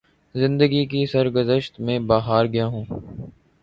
زندگی کی سرگزشت میں ہار گیا ہوں۔